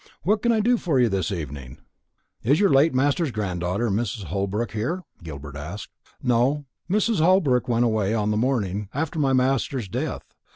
"What can I do for you this evening?" "Is your late master's granddaughter, Mrs. Holbrook, here?" Gilbert asked. "No; Mrs. Holbrook went away on the morning after my master's death.